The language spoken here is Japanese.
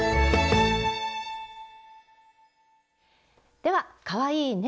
ではかわいいね